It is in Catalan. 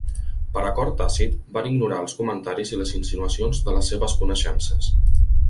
Per acord tàcit, van ignorar els comentaris i les insinuacions de les seves coneixences.